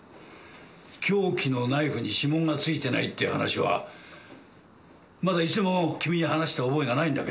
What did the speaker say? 凶器のナイフに指紋がついてないっていう話はまだ一度も君に話した覚えがないんだけれどもね。